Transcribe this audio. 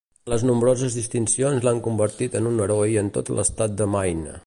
Les nombroses distincions l'han convertit en un heroi en tot l'estat de Maine.